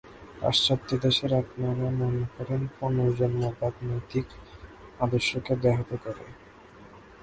পাশ্চাত্য দেশের আপনারা মনে করেন, পুনর্জন্মবাদ নৈতিক আদর্শকে ব্যাহত করে।